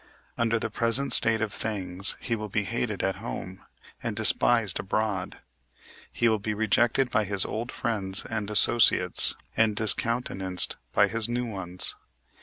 Under the present state of things he will be hated at home, and despised abroad. He will be rejected by his old friends and associates, and discountenanced by his new ones.